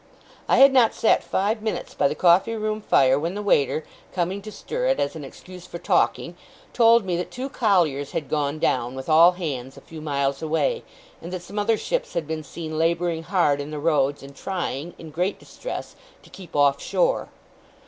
I had not sat five minutes by the coffee room fire, when the waiter, coming to stir it, as an excuse for talking, told me that two colliers had gone down, with all hands, a few miles away; and that some other ships had been seen labouring hard in the Roads, and trying, in great distress, to keep off shore.